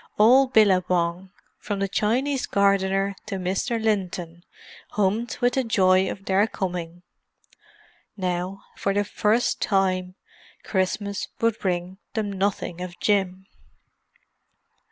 All Billabong, from the Chinese gardener to Mr. Linton, hummed with the joy of their coming. Now, for the first time, Christmas would bring them nothing of Jim.